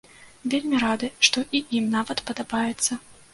Вельмі рады, што і ім нават падабаецца.